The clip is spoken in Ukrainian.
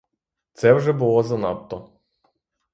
Це вже було занадто!